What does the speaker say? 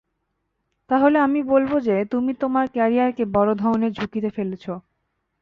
তাহলে আমি বলবো যে, তুমি তোমার ক্যারিয়ারকে বড় ধরনের ঝুঁকিতে ফেলছো।